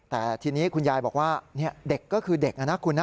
แต่ทีนี้คุณยายบอกว่าเด็กก็คือเด็กนะคุณนะ